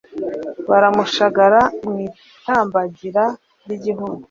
Baramushagara mw’itambagira ry’ igihugu